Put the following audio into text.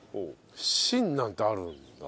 芯なんてあるんだ。